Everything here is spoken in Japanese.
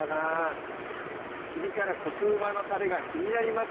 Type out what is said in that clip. ピリ辛コクうまのたれが気になります